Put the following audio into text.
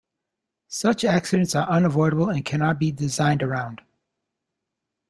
Such accidents are unavoidable and cannot be designed around.